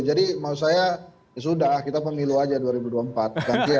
jadi maksud saya sudah kita pengilu aja dua ribu dua puluh empat gantian dua ribu dua puluh empat